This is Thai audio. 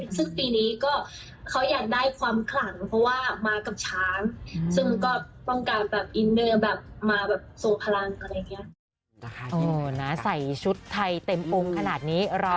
ซึ่งปีนี้ก็เขาอยากได้ความขลัง